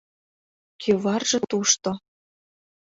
Кӱварже тушто.